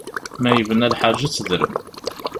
Mi yebna lḥaǧa ad tedrem.